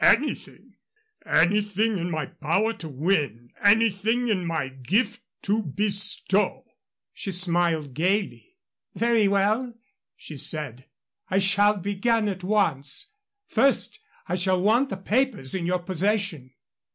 anything anything in my power to win, anything in my gift to bestow." She smiled gayly. "Very well," she said, "I shall begin at once. First, I shall want the papers in your possession."